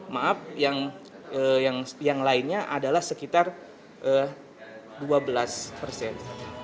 maaf yang lainnya adalah sekitar dua belas persen